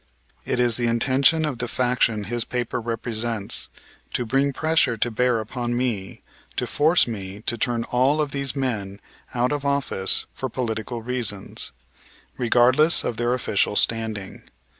It is the intention of the faction his paper represents to bring pressure to bear upon me to force me to turn all of these men out of office for political reasons, regardless of their official standing.